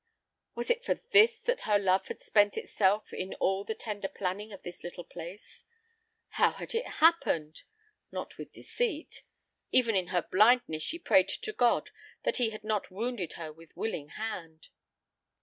Was it for this that her love had spent itself in all the tender planning of this little place? How had it happened? Not with deceit! Even in her blindness she prayed to God that he had not wounded her with willing hand.